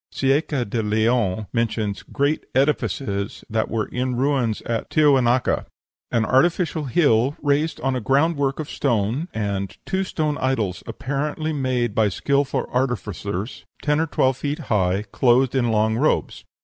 Cieça de Leon mentions "great edifices" that were in ruins at Tiahuanaca, "an artificial hill raised on a groundwork of stone," and "two stone idols, apparently made by skilful artificers," ten or twelve feet high, clothed in long robes.